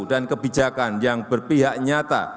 dan kebijakan yang berpihak nyata